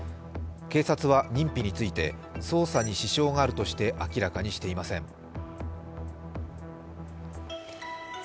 警察は認否について捜査に支障があるとして明らかにしていません。